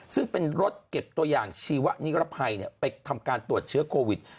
ซึ่งเป็นรถเก็บตัวอย่างชีวนิรภัยไปทำการตรวจเชื้อโควิด